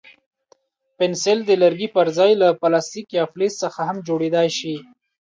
پنسل د لرګي پر ځای له پلاستیک یا فلز څخه هم جوړېدای شي.